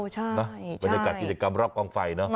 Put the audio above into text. ใช่บรรยากาศกิจกรรมรอบกองไฟเนอะ